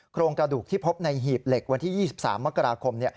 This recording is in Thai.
โครงกระดูกที่พบในหีบเหล็กวันที่๒๓มกราคม